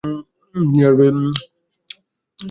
তিনি জাতীয় পার্টি ’র একজন রাজনৈতিক নেতা।